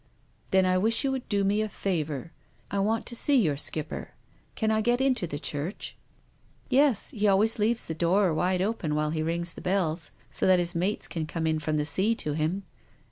" Then I wish you would do me a favour. I want to see your skipper. Can I get into the church ?"" Yes. He always leaves the door wide open while he rings the bells — so that his mates can come in from the sea to him."